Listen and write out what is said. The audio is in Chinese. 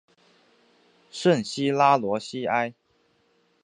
圣西拉罗西埃。